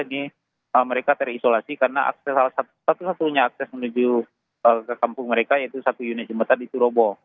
ini mereka terisolasi karena akses satu satunya akses menuju ke kampung mereka yaitu satu unit jembatan itu robo